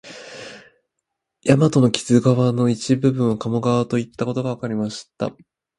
大和の木津川の一部分を鴨川といったことがわかりました